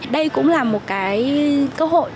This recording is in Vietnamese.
đây cũng là một cơ hội